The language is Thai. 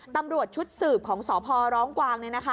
ตำรวจชุดสืบของสพร้องกวาง